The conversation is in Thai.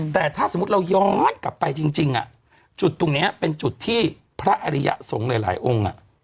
แต่ถ้าสมมุติเราย้อนกลับไปจริงจุดตรงนี้เป็นจุดที่พระอริยสงฆ์หลายองค์